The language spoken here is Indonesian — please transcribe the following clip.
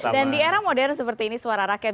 dan di era modern seperti ini suara rakyat